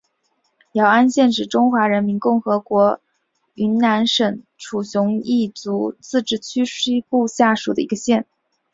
姚安县是中华人民共和国云南省楚雄彝族自治州西部下属的一个县。